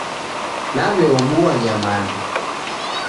Naw'eobua nyamandu